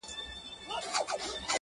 مار يې ولیدی چي پروت وو بېگمانه-